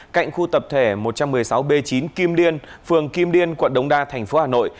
cạnh khu tập thể một trăm một mươi sáu b chín kim liên phường kim liên quận đống đa thành phố hà nội